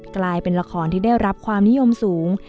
กลายเป็นละครที่ได้รับความนิยมสูง